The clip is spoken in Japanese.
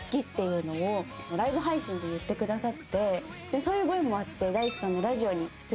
そういうご縁もあって。